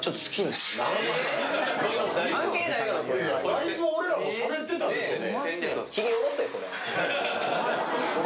だいぶ俺らもしゃべってましたよね。